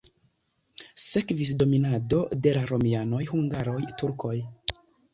Sekvis dominado de romianoj, hungaroj, turkoj.